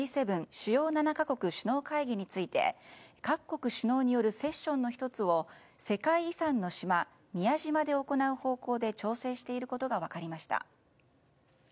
・主要７か国首脳会議について各国首脳によるセッションの１つを世界遺産の島宮島で行う方向で調整していることが分かりました。